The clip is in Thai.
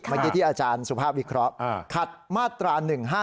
เมื่อกี้ที่อาจารย์สุภาพวิเคราะห์ขัดมาตรา๑๕